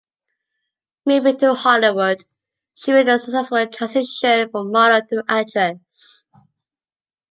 Moving to Hollywood, she made a successful transition from model to actress.